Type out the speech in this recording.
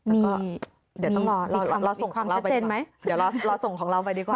มีความชัดเจนไหมเดี๋ยวเราส่งของเราไปดีกว่า